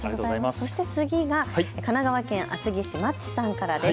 そして次は神奈川県厚木市のまっちさんからです。